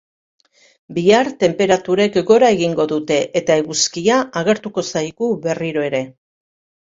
Bihar tenperaturek gora egingo dute eta eguzkia agertuko zaigu berriro ere.